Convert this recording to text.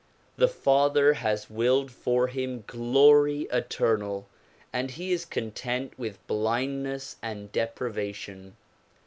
The Father has willed for him glory eternal and he is content with blindness and deprivation.